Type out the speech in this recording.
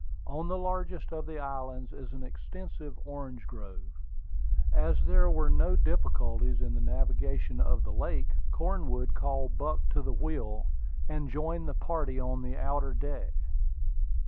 On the largest of the islands is an extensive orange grove. As there were no difficulties in the navigation of the lake, Cornwood called Buck to the wheel, and joined the party on the outer deck.